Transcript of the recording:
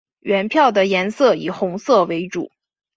原票的颜色以红色为主。